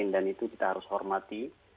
dan itu kita harus hormati